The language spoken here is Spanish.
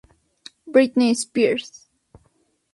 Britney Spears.